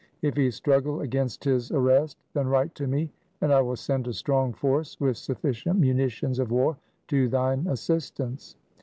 If he struggle against his arrest, then write to me, and I will send a strong force with sufficient munitions of war to thine assistance.'